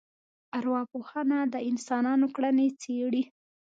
ارواپوهنه د انسانانو کړنې څېړي